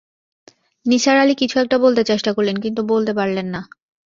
নিসার আলি কিছু একটা বলতে চেষ্টা করলেন, কিন্তু বলতে পারলেন না।